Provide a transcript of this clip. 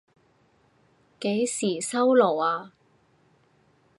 幾時收爐啊？